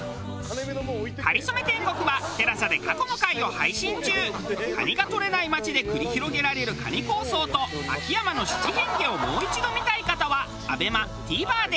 『かりそめ天国』は蟹がとれない町で繰り広げられる蟹抗争と秋山の七変化をもう一度見たい方はＡＢＥＭＡＴＶｅｒで。